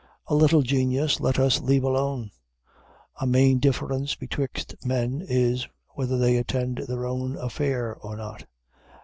A little genius let us leave alone. A main difference betwixt men is, whether they attend their own affair or not.